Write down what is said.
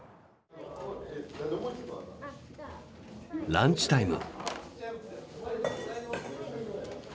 ランチタイム。